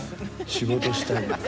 仕事したいんだ。